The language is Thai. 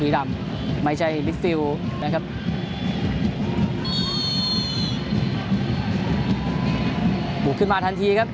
บุกขึ้นมาทันทีครับ